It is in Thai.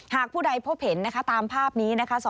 ผู้ใดพบเห็นนะคะตามภาพนี้นะคะ